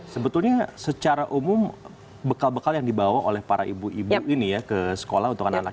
sebetulnya secara umum bekal bekal yang dibawa oleh para ibu ibu ini ya ke sekolah untuk anak anak